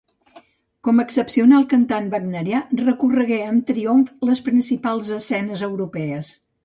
Com a excepcional cantant wagnerià, recorregué en triomf les principals escenes europees.